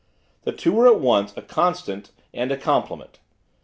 The two were at once a contrast and a complement.